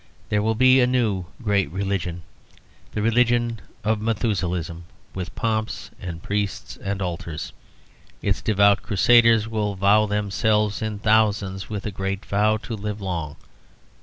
There will be a new great Religion, the Religion of Methuselahism: with pomps and priests and altars. Its devout crusaders will vow themselves in thousands with a great vow to live long.